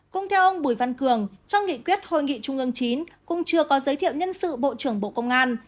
cũng theo ông bùi văn cường trong nghị quyết hội nghị trung ương chín cũng chưa có giới thiệu nhân sự bộ trưởng bộ công an